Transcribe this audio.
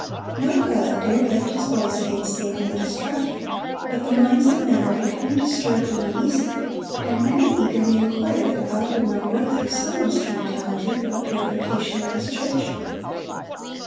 No prelate dared lift his voice against this iniquitous traffic; but the minds of men were becoming disturbed and uneasy, and many eagerly inquired if God would not work through some instrumentality for the purification of His church.